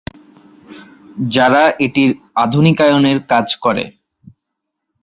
যারা এটির আধুনিকায়নের কাজ করে।